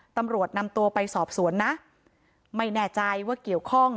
ตำรวจนำตัวไปสอบสวนนะไม่แน่ใจว่าเกี่ยวข้อง